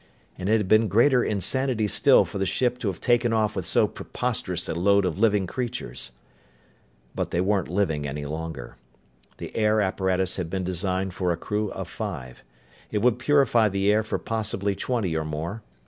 And it had been greater insanity still for the ship to have taken off with so preposterous a load of living creatures. But they weren't living any longer. The air apparatus had been designed for a crew of five. It would purify the air for possibly twenty or more.